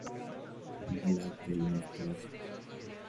En septiembre, Brooke y Emma comenzaron un feudo con la debutante Asuka.